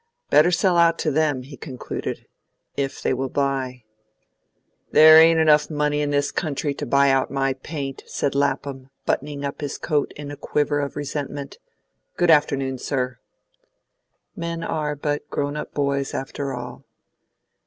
Better sell out to them," he concluded, "if they will buy." "There ain't money enough in this country to buy out my paint," said Lapham, buttoning up his coat in a quiver of resentment. "Good afternoon, sir." Men are but grown up boys after all.